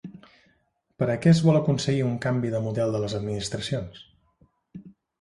Per a què es vol aconseguir un canvi de model de les administracions?